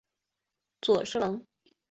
终仕礼部右侍郎。